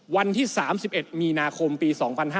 วันที่๓๑มีนาคมปี๒๕๕๙